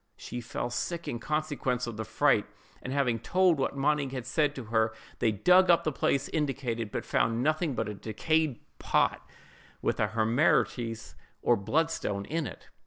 She fell sick in consequence of the fright, and having told what Monig had said to her, they dug up the place indicated, but found nothing but a decayed pot with a hemarites or bloodstone in it.